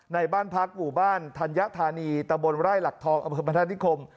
ในบ้านพักบุบันธัญฐานีตะบลไล่หลักทองอัพพธนาธิคม